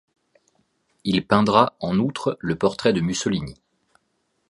Il peindra, en outre, le portrait de Mussolini.